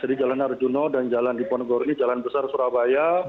jadi jalan arjuna dan jalan diponegoro ini jalan besar surabaya